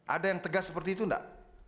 ada yang tegas seperti itu enggak